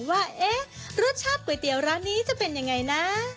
ว่ารสชาติก๋วยเตี๋ยวร้านนี้จะเป็นยังไงนะ